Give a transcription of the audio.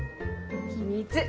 秘密！